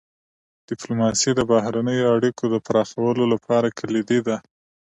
ډيپلوماسي د بهرنیو اړیکو د پراخولو لپاره کلیدي ده.